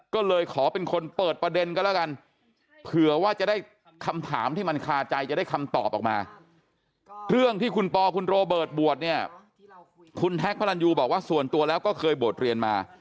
คุณแท็กพระรรยูบอกว่าส่วนตัวแล้วก็เคยบวชเรียนมา